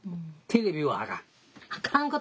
テレビはあかん。